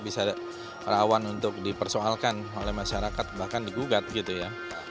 bisa rawan untuk dipersoalkan oleh masyarakat bahkan digugat gitu ya